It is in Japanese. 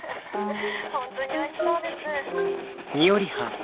「本当においしそうです」。